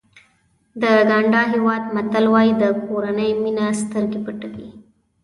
د ګاڼډا هېواد متل وایي کورنۍ مینه سترګې پټوي.